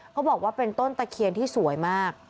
เขาบอกว่าเป็นต้นตะเคียนที่สวยมาก